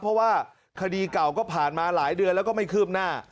เพราะว่าคดีเก่าก็ผ่านมาหลายเดือนแล้วก็ไม่คืบหน้า